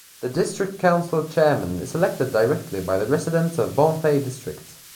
The District Council Chairman is elected directly by the residents of Bonthe District.